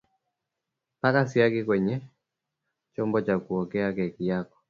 Paka siagi kwenye chombo cha kuokea keki yako